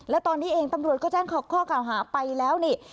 และตอนนี้เองตำรวจก็แจ้งข้อกล่าวหาไปแล้วนี่